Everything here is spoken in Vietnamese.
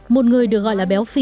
một người được gọi là béo phì